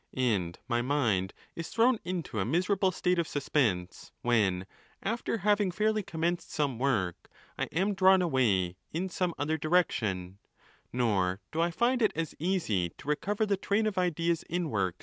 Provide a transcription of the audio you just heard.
And my mind is thrown into a miserable state of suspense when, after having fairly com 'macneéd some work, I am drawn away in some other direction ; nor do I find it as easy to recover the train of ideas in works .